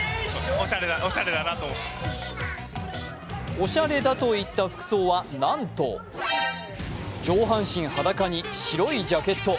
おしゃれだと言った服装はなんと上半身裸に白いジャケット。